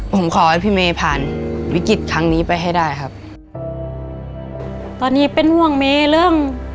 ผมขอให้พี่เมย์ผ่านวิกฤตครั้งนี้ไปให้ได้ครับตอนนี้เป็นห่วงเมย์เรื่อง